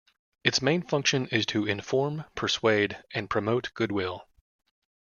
Its main function is to inform, persuade and promote goodwill.